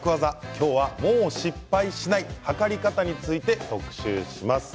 今日はもう失敗しないはかり方について特集します。